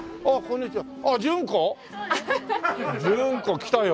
順子来たよ。